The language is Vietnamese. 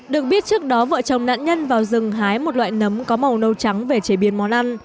được biết trước đó vợ chồng nạn nhân vào rừng hái một loại nấm có màu nâu trắng về chế biến món ăn